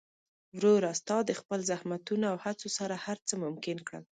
وروره! ستا د خپل زحمتونو او هڅو سره هر څه ممکن کړل.